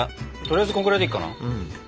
とりあえずこんくらいでいいかな？